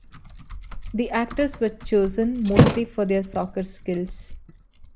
The actors were chosen mostly for their soccer skills.